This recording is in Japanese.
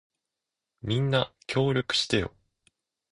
みんな、協力してよ。